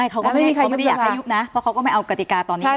เขาก็ไม่ได้อยากให้ยุบนะเพราะเขาก็ไม่เอากติกาตอนนี้